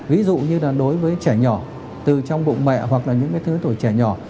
ví dụ như là đối với trẻ nhỏ từ trong bụng mẹ hoặc là những thứ tuổi trẻ nhỏ